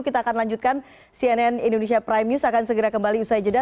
kita akan lanjutkan cnn indonesia prime news akan segera kembali usai jeda